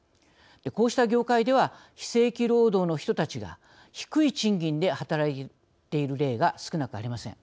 こうした業界では非正規労働の人たちが低い賃金で働いている例が少なくありません。